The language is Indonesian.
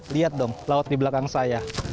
lihat dong laut di belakang saya